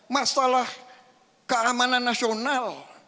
masalah keamanan nasional